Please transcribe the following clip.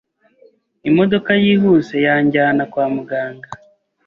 imodoka yihuse yanjyana kwa muganga